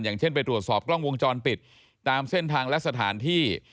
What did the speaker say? อย่างเช่นไปตรวจสอบกล้องวงจรปิดตามเส้นทางและสถานที่